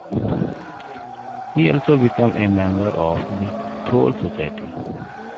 He also became a member of the Thule Society.